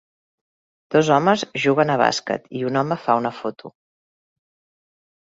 Dos homes juguen a bàsquet i un home fa una foto.